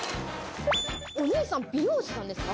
お姉さん美容師さんですか？